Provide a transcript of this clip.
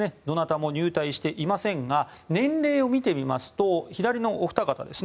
どなたも入隊していませんが年齢を見てみますと左のお二方